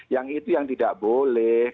yang itu yang tidak boleh